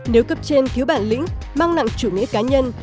nếu cấp trên thiếu bản lĩnh mang nặng chủ nghĩa cá nhân